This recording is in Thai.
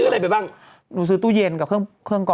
โดยเย่นกับเครื่องเพิ่มก่อ